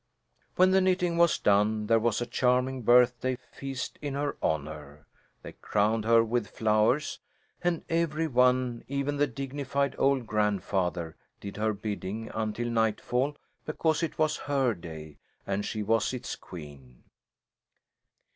When the knitting was done there was a charming birthday feast in her honour. They crowned her with flowers, and every one, even the dignified old grandfather, did her bidding until nightfall, because it was her day, and she was its queen.